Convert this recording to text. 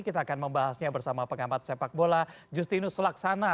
kita akan membahasnya bersama pengamat sepak bola justinus laksana